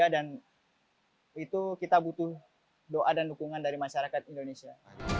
dan itu kita butuh doa dan dukungan dari masyarakat indonesia